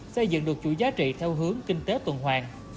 xây dựng được chuỗi giá trị theo hướng kinh tế tuần hoàng